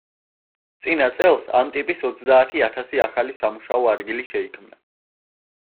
წინა წელს ამ ტიპის ოცდაათი ათასი ახალი სამუშაო ადგილი შეიქმნა.